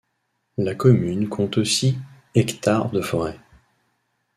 La commune compte aussi ha de forêts.